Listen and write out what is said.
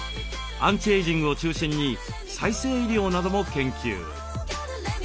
アンチエイジングを中心に再生医療なども研究。